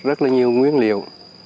rất là nhiều nguyên liệu